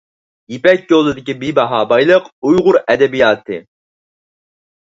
يىپەك يولىدىكى بىباھا بايلىق — ئۇيغۇر ئەدەبىياتى.